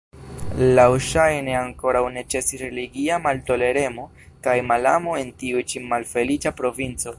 Laŭŝajne ankoraŭ ne ĉesis religia maltoleremo kaj malamo en tiu ĉi malfeliĉa provinco.